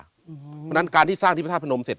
เพราะฉะนั้นการที่สร้างที่พระธาตุพนมเสร็จ